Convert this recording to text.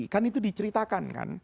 kan itu diceritakan kan